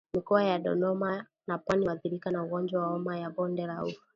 Mikoa ya Dodoma na Pwani huathirika na ugonjwa wa homa ya bonde la ufa